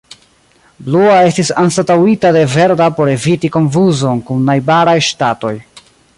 Blua estis anstataŭita de verda por eviti konfuzon kun najbaraj ŝtatoj.